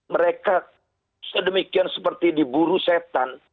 mereka sedemikian seperti diburu setan